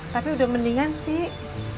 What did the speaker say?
tapi udah mendingan sih